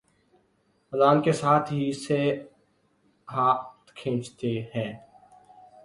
اذان کے ساتھ ہی اس سے ہاتھ کھینچتے ہیں